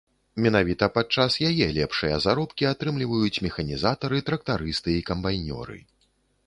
Менавіта падчас яе лепшыя заробкі атрымліваюць механізатары, трактарысты і камбайнёры.